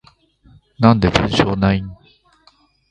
なんで文章ないん？